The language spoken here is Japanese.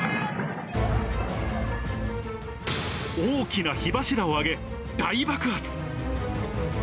大きな火柱を上げ、大爆発。